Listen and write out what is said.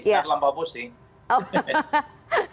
gak terlampau pusing